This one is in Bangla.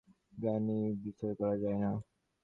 কিন্তু ভাবটি এই যে, আত্মাকে কখনই জ্ঞানের বিষয় করা যায় না।